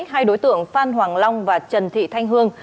hai đối tượng phan hoàng long và trần thị thanh hương